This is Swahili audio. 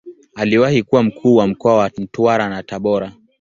Aliwahi kuwa Mkuu wa mkoa wa Mtwara na Tabora.